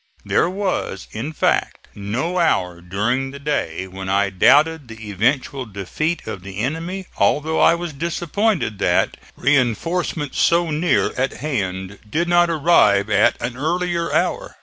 There was, in fact, no hour during the day when I doubted the eventual defeat of the enemy, although I was disappointed that reinforcements so near at hand did not arrive at an earlier hour.